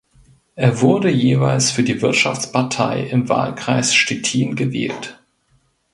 Er wurde jeweils für die Wirtschaftspartei im Wahlkreis Stettin gewählt.